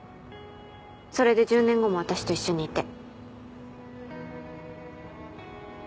それで１０年後も私と一緒にいて。